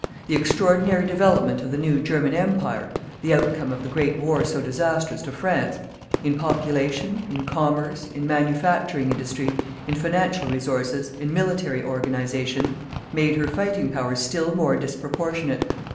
The extraordinary development of the new German Empire the outcome of the great war so disastrous to France in population, in commerce, in manufacturing industry, in financial resources, in military organization, made her fighting power still more disproportionate.